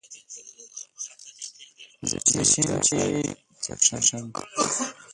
زه شین چای څښم